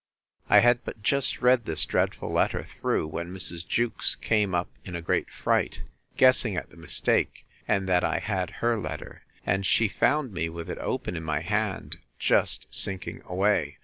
I had but just read this dreadful letter through, when Mrs. Jewkes came up in a great fright, guessing at the mistake, and that I had her letter, and she found me with it open in my hand, just sinking away.